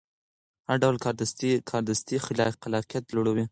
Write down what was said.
هر ډول کاردستي خلاقیت لوړوي.